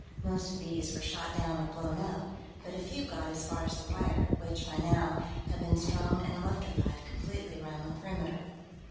Most of these were shot down or blown up, but a few got as far as the wire, which, by now, had been strung and electrified completely around the perimeter.